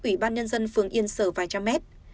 ủy ban nhân dân phường yên sở vài trăm mét